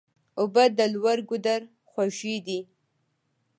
اوبه د لوړ ګودر خوږې دي.